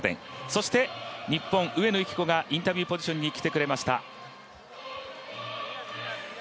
そして日本・上野由岐子がインタビューポジションに来てくれました。